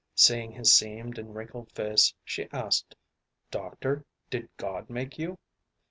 Seeing his seamed and wrinkled face, she asked, "Doctor, did God make you?"